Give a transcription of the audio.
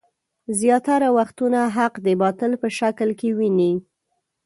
زياتره وختونه حق د باطل په شکل کې ويني.